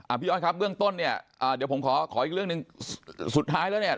พี่อ้อยครับเบื้องต้นเนี่ยอ่าเดี๋ยวผมขอขออีกเรื่องหนึ่งสุดท้ายแล้วเนี่ย